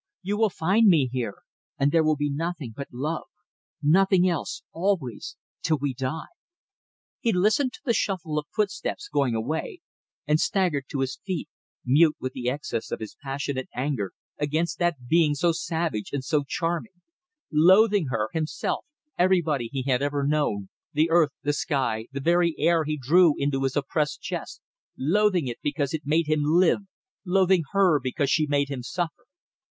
You will find me here. And there will be nothing but love. Nothing else! Always! Till we die!" He listened to the shuffle of footsteps going away, and staggered to his feet, mute with the excess of his passionate anger against that being so savage and so charming; loathing her, himself, everybody he had ever known; the earth, the sky, the very air he drew into his oppressed chest; loathing it because it made him live, loathing her because she made him suffer.